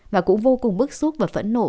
và cũng vô cùng bức xúc và phẫn nộ